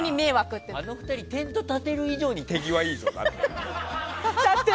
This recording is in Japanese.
あの２人、テント立てる以上に手際いいよだって。